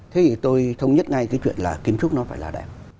thế thì tôi thống nhất ngay cái chuyện là kiến trúc nó phải là đẹp